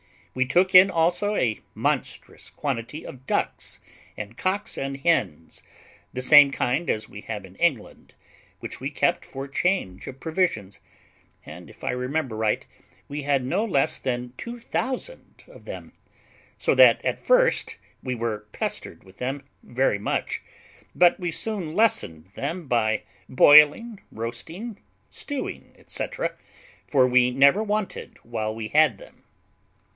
We took in also a monstrous quantity of ducks, and cocks and hens, the same kind as we have in England, which we kept for change of provisions; and if I remember right, we had no less than two thousand of them; so that at first we were pestered with them very much, but we soon lessened them by boiling, roasting, stewing, &c., for we never wanted while we had them.